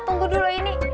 tunggu dulu ini